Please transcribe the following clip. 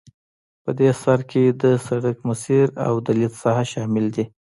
په دې کې د سرک مسیر او د لید ساحه شامل دي